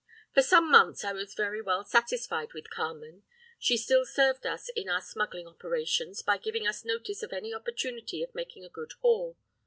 "For some months I was very well satisfied with Carmen. She still served us in our smuggling operations, by giving us notice of any opportunity of making a good haul.